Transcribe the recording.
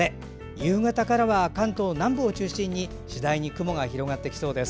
夕方からは関東南部を中心に次第に雲が広がってきそうです。